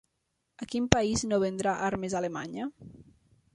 A quin país no vendrà armes Alemanya?